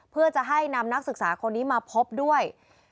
เพื่อจะให้นำนักศึกษาคนนี้มาพบด้วย